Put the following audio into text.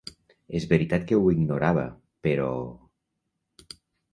És veritat que ho ignorava, però...